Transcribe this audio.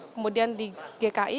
kemudian di gki